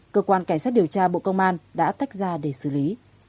cơ quan cảnh sát điều tra bộ công an đã tách ra để xử lý